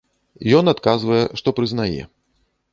Ён адказвае, што прызнае.